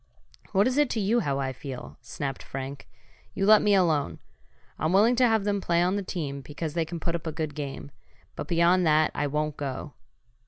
"What is it to you how I feel?" snapped Frank. "You let me alone! I'm willing to have them play on the team, because they can put up a good game. But beyond that I won't go!"